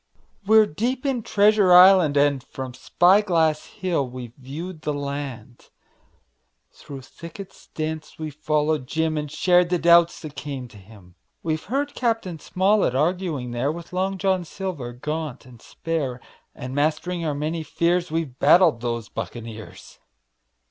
We're deep in Treasure Island, and From Spy Glass Hill we've viewed the land; Through thickets dense we've followed Jim And shared the doubts that came to him. We've heard Cap. Smollett arguing there With Long John Silver, gaunt and spare, And mastering our many fears We've battled with those buccaneers.